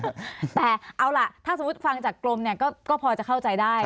แต่เอาล่ะถ้าสมมุติฟังจากกรมเนี่ยก็พอจะเข้าใจได้